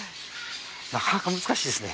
なかなか難しいですね。